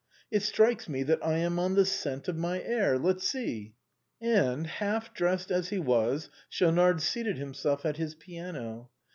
It strikes me that I am on the scent of my air. Let's see." And, half dressed as he was, Schaunard seated himself at his piano.